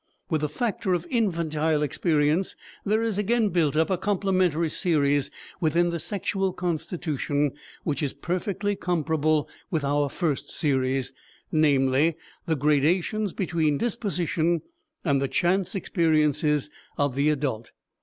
With the factor of infantile experience, there is again built up a complementary series within the sexual constitution which is perfectly comparable with our first series, namely, the gradations between disposition and the chance experiences of the adult.